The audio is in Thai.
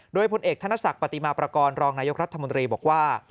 โดยพลเอกธนศักดิ์ปฏิมาประกอบรองนายกรัฐมนตรีบอกว่า